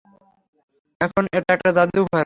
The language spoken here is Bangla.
এখন এটা একটা জাদুঘর।